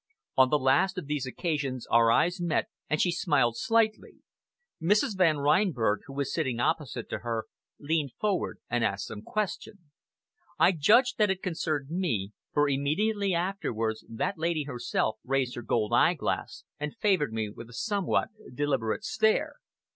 On the last of these occasions our eyes met, and she smiled slightly. Mrs. Van Reinberg, who was sitting opposite to her, leaned forward and asked some question. I judged that it concerned me, for immediately afterwards that lady herself raised her gold eyeglass, and favored me with a somewhat deliberate stare.